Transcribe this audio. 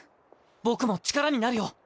僕も力になるよ。